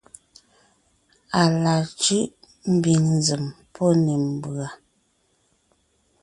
À la cʉ́ʼ ḿbiŋ nzèm pɔ́ ne ḿbʉ̀a.